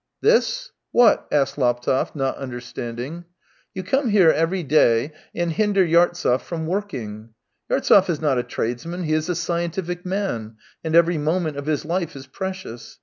" This ? What ?" asked Laptev, not under standing. " You come here every day and hinder Yartsev from working. Yartsev is not a tradesman; he is a scientific man, and every moment of his life is precious.